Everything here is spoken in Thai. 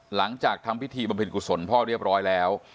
หลังจากทำพิธีบำเพ็ญกุศลพ่อเรียบร้อยแล้ว